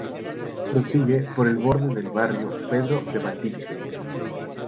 Prosigue por el borde del Barrio Pedro de Valdivia.